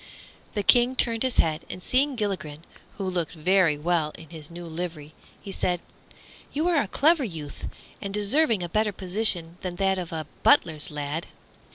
The King turned his head, and seeing Gilligren, who looked very well in his new livery, he said, "You are a clever youth, and deserve a better position than that of a butler's lad.